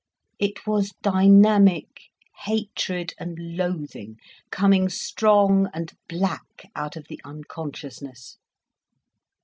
It was dynamic hatred and loathing, coming strong and black out of the unconsciousness.